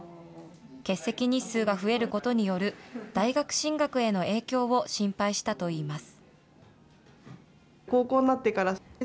欠席日数が増えることによる大学進学への影響を心配したといいます。